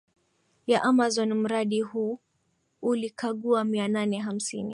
ya Amazon Mradi huu ulikagua mianane hamsini